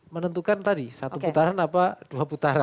menentukan tadi satu putaran apa dua putaran